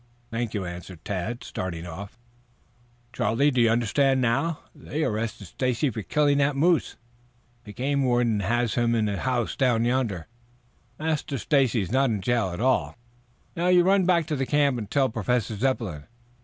"Thank you," answered Tad, starting off. "Charlie, do you understand now? They arrested Stacy for killing that moose. The game warden has him at his house down yonder. Master Stacy is not in jail at all. Now you run back to the camp and tell Professor Zepplin.